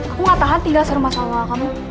aku gak tahan tinggal serumah sama kamu